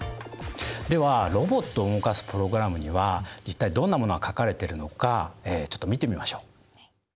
ではロボットを動かすプログラムには一体どんなものが書かれてるのかちょっと見てみましょう。